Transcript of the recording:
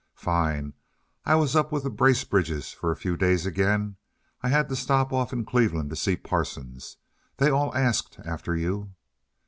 "Fine. I was up with the Bracebridges for a few days again. I had to stop off in Cleveland to see Parsons. They all asked after you."